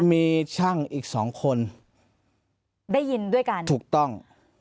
มีช่างอีกสองคนได้ยินด้วยกันถูกต้อง